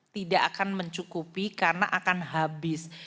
tidak akan mencukupi karena akan habis